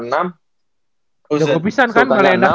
udah kebisan kan balenda tuh